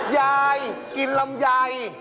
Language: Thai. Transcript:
ยายกินลำไย